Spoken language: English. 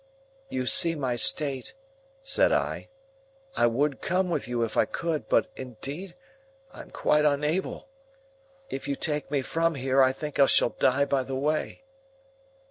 "You see my state," said I. "I would come with you if I could; but indeed I am quite unable. If you take me from here, I think I shall die by the way."